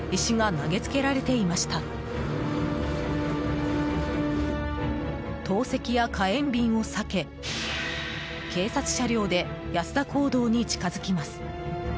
投石や火炎瓶を避け警察車両で安田講堂に近づきます。